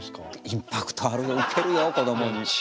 インパクトあるよウケるよこどもに。